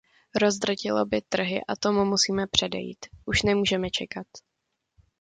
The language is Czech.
Rozdrtilo by trhy a tomu musíme předejít; už nemůžeme čekat.